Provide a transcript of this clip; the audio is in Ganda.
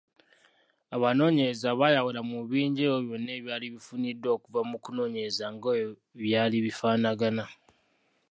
Abanoonyereza bayawula mu bibinja ebyo byonna ebyali bifuniddwa okuva mu kunoonyereza nga we byali bifaanagana.